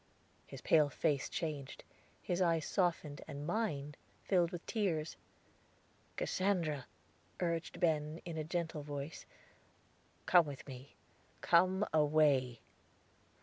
His pale face changed, his eyes softened, and mine filled with tears. "Cassandra," urged Ben, in a gentle voice, "come with me; come away."